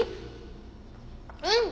うん！